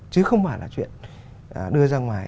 chứ không phải là chuyện đưa ra ngoài